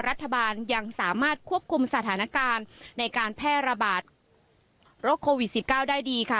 รัฐบาลยังสามารถควบคุมสถานการณ์ในการแพร่ระบาดโรคโควิด๑๙ได้ดีค่ะ